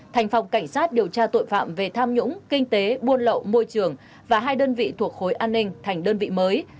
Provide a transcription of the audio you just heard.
thành phòng cảnh sát điều tra tội phạm về tham nhũng kinh tế buôn lậu môi trường và hai đơn vị thuộc khối an ninh thành đơn vị mới